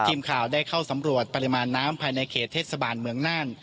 ทีมข่าวได้เข้าสำรวจปริมาณน้ำภายในเขตเทศบาลเมืองน่าน